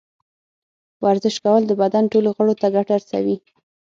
ورزش کول د بدن ټولو غړو ته ګټه رسوي.